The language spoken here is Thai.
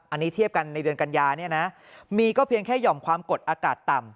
อันนี้เทียบกันในเดือนกัญญาเนี่ยนะมีก็เพียงแค่หย่อมความกดอากาศต่ำ